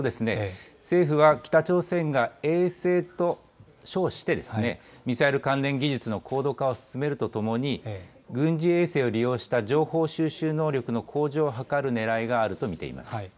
政府は、北朝鮮が衛星と称して、ミサイル関連技術の高度化を進めるとともに、軍事衛星を利用した情報収集能力の向上を図るねらいがあると見られます。